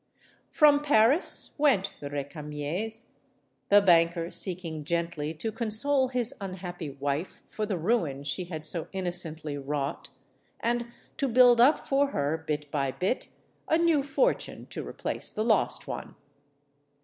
From Paris went the Recamiers; the banker seek ing gently to console his unhappy wife for the ruin she had so innocently wrought; and to build up for her, bit by bit, a new fortune to replace the lost one.